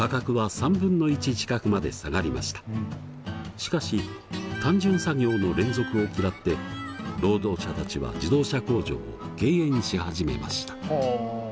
しかし単純作業の連続を嫌って労働者たちは自動車工場を敬遠し始めました。